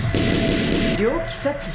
猟奇殺人？